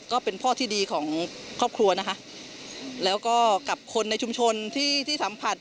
ก็เป็นพ่อที่ดีของครอบครัวนะคะแล้วก็กับคนในชุมชนที่ที่สัมผัส